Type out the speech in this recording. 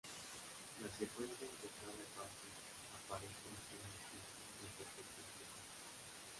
La secuencia en que cada "fase" aparece es en sí misma un proceso estocástico.